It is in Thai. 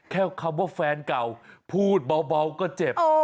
คำว่าแฟนเก่าพูดเบาก็เจ็บ